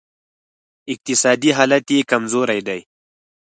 اقتصادي حالت یې کمزوری دی